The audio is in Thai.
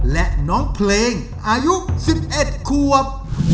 และน้องเพลงอายุ๑๑ควบ